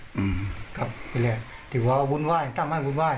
เออคือเป็นแหละคือว่าวุ่นไหวตำให้วุ่นไหว